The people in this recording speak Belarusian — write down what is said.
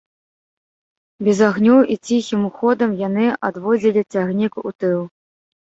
Без агнёў і ціхім ходам яны адводзілі цягнік у тыл.